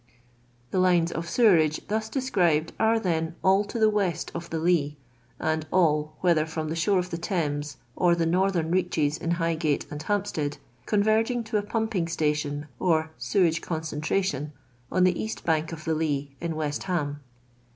The lines of sewerage thus described are, then, all to the tcett of the Lea, and all, whether from the shore of the Thames, or the northern reaches in Highgate and Hampstead, converging to a pumping station or sewage concentration, on the east bank of the Lea, in West Ham.